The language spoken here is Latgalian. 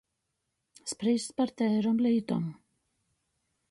Sprīsts par teirom lītom.